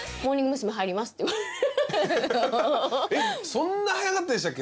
そんな早かったでしたっけ？